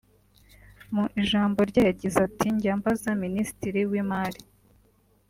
Mu ijambo rye yagize ati “Njya mbaza minisitiri w’Imari